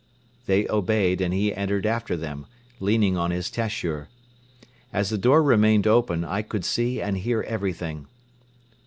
They obeyed and he entered after them, leaning on his tashur. As the door remained open, I could see and hear everything.